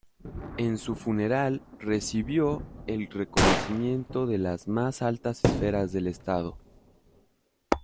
En su funeral recibió el reconocimiento de las más altas esferas del estado.